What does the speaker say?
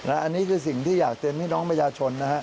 อันนี้คือสิ่งที่อยากเต้นไม่น้องมพยาชน